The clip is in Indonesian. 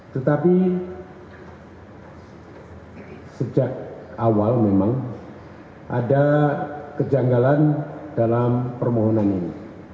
tetapi sejak awal memang ada kejanggalan dalam permohonan ini